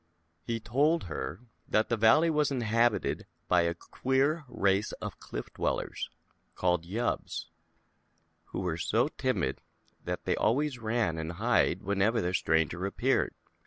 He told her that the valley was inhab ited by a queer race of Cliff Dwellers, called Yubbs, who were so timid that they always ran and hid whenever a stranger appeared.